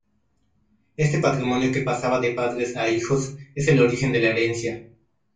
Este patrimonio que pasaba de padres a hijos es el origen de la herencia.